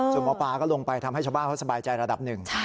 ส่วนหมอปลาก็ลงไปทำให้ชาวบ้านเขาสบายใจระดับหนึ่ง